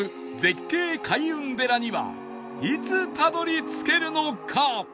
開運寺にはいつたどり着けるのか？